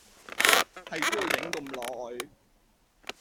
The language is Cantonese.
係都要影咁耐